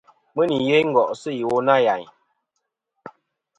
Mɨ nì yeyn ngo'sɨ iwo nâ ghàyn.